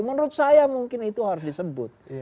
menurut saya mungkin itu harus disebut